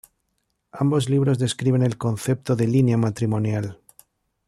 Ambos libros describen el concepto de línea matrimonial.